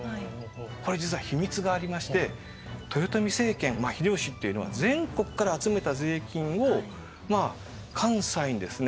これ実は秘密がありまして豊臣政権まあ秀吉っていうのは全国から集めた税金を関西にですね